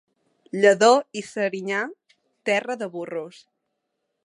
Lledó i Serinyà, terra de burros.